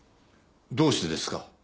どうしてですか？